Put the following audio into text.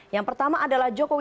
yang pertama adalah jokowi